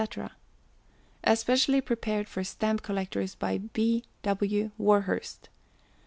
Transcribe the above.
_ Specially prepared for Stamp Collectors by B. W. WARHURST.